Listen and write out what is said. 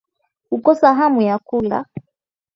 Kukosa hamu ya kula